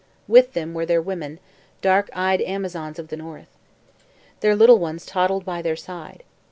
With them were their women, dark eyed Amazons of the north. Their little ones toddled by their side.